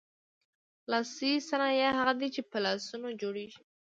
لاسي صنایع هغه دي چې په لاسونو جوړیږي.